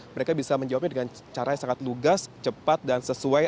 mereka bisa menjawabnya dengan cara yang sangat lugas cepat dan sesuai